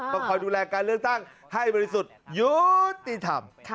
คอยดูแลการเลือกตั้งให้บริสุทธิ์ยุติธรรม